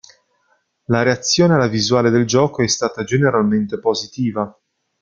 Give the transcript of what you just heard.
La reazione alla visuale del gioco è stata generalmente positiva.